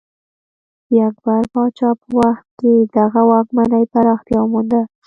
د اکبر پاچا په وخت کې دغه واکمنۍ پراختیا ومونده.